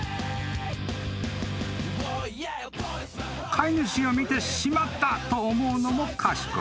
［飼い主を見てしまったと思うのも賢い］